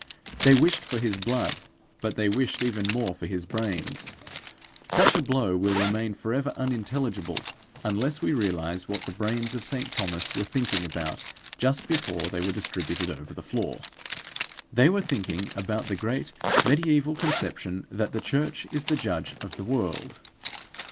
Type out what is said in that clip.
They wished for his blood, but they wished even more for his brains. Such a blow will remain forever unintelligible unless we realise what the brains of St. Thomas were thinking about just before they were distributed over the floor. They were thinking about the great mediaeval conception that the church is the judge of the world.